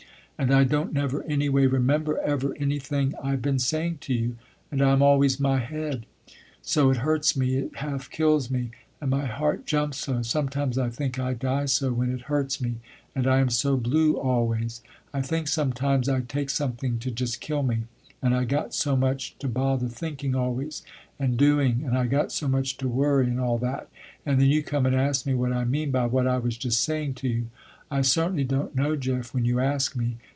And I don't never any way remember ever anything I been saying to you, and I am always my head, so it hurts me it half kills me, and my heart jumps so, sometimes I think I die so when it hurts me, and I am so blue always, I think sometimes I take something to just kill me, and I got so much to bother thinking always and doing, and I got so much to worry, and all that, and then you come and ask me what I mean by what I was just saying to you. I certainly don't know, Jeff, when you ask me.